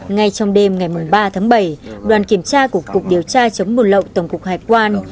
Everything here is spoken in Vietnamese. ngay trong đêm ngày ba tháng bảy đoàn kiểm tra của cục điều tra chống buồn lậu tổng cục hải quan